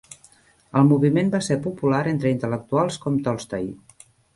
El moviment va ser popular entre intel·lectuals com Tolstoy.